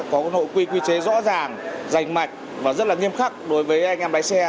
có hội quy chế rõ ràng rành mạch và rất là nghiêm khắc đối với anh em lái xe